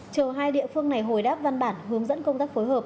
chờ hai địa phương này hồi đáp văn bản hướng dẫn công tác phối hợp